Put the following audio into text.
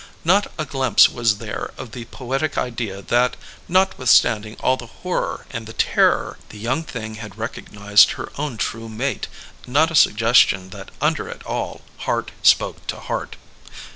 Not a glimpse was there of the poetic idea that, notwithstanding all the horror and the terror, the young thing had recog nized her own true mate, not a suggestion that under it all heart spoke to heart.